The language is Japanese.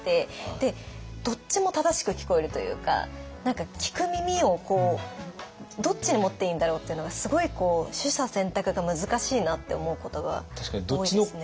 でどっちも正しく聞こえるというか何か聞く耳をどっちに持っていいんだろうっていうのがすごい取捨選択が難しいなって思うことが多いですね。